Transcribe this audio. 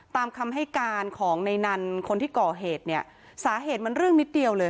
ตามคำให้การของในนั้นคนที่ก่อเหตุเนี่ยสาเหตุมันเรื่องนิดเดียวเลย